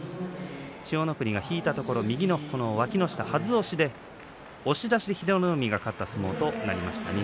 千代の国が引いたところを右のわきの下をはず押しで押し出して英乃海が勝ちました。